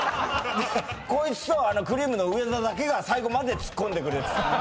でこいつとくりぃむの上田だけが最後までツッコんでくれてた。